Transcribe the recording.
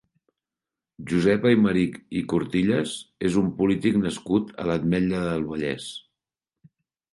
Josep Aymerich i Cortillas és un polític nascut a l'Ametlla del Vallès.